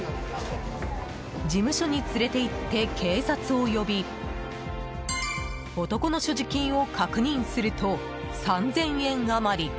事務所に連れて行って警察を呼び男の所持金を確認すると３０００円余り。